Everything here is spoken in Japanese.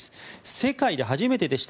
世界で初めてでした。